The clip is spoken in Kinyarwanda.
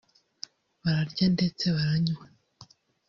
bararya ndetse baranywa